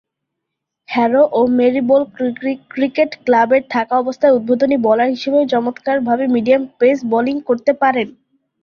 Harrow ও Marylebone Cricket ক্লাবে থাকাবস্থায় উদ্বোধনী বোলার হিসেবে চমৎকারভাবে মিডিয়াম পেস বোলিং করতে পারতেন।